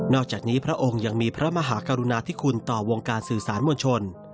อกจากนี้พระองค์ยังมีพระมหากรุณาธิคุณต่อวงการสื่อสารมวลชน